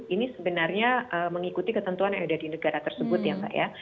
ini sebenarnya mengikuti ketentuan yang ada di negara tersebut ya mbak ya